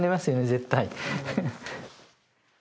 絶対。